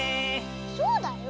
そうだよ。